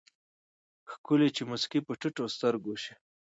ښکلے چې مسکې په ټيټو سترګو شي